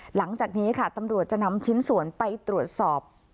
หลังจากนี้ค่ะตำรวจจะนำชิ้นส่วนไปตรวจสอบ